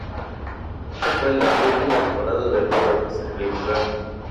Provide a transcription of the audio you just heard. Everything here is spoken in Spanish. Esta fue la ultima temporada de Roberts en el programa.